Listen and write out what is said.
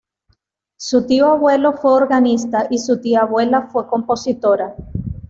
Su tío abuelo fue organista, y su tía abuela fue compositora.